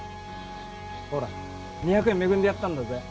ほら２００円恵んでやったんだぜ？